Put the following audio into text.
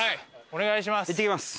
お願いします。